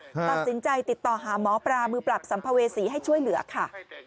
ตัดสินใจติดต่อหาหมอปลามือปราบสัมภเวษีให้ช่วยเหลือค่ะ